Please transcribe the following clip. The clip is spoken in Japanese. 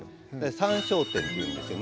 「参照点」っていうんですよね。